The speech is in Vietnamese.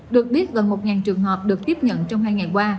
được biết gần một trường hợp được tiếp nhận trong hai ngày qua